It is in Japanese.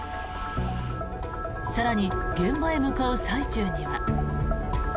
更に、現場へ向かう最中には。